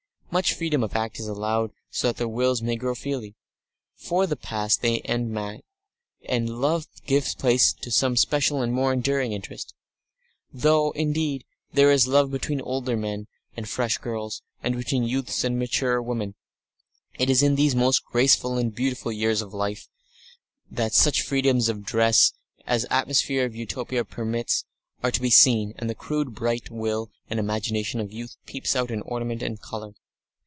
Much freedom of act is allowed them so that their wills may grow freely. For the most part they end mated, and love gives place to some special and more enduring interest, though, indeed, there is love between older men and fresh girls, and between youths and maturer women. It is in these most graceful and beautiful years of life that such freedoms of dress as the atmosphere of Utopia permits are to be seen, and the crude bright will and imagination of youth peeps out in ornament and colour.